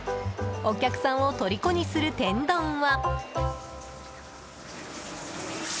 お客さんを虜にする天丼は。